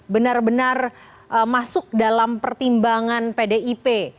benar benar masuk dalam pertimbangan pdip